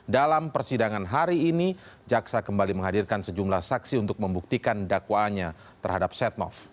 dalam persidangan hari ini jaksa kembali menghadirkan sejumlah saksi untuk membuktikan dakwaannya terhadap setnov